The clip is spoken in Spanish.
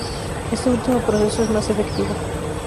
Este último proceso es más efectivo.